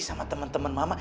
sama temen temen mama